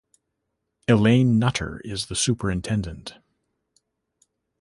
Elaine Nutter is the Superintendent.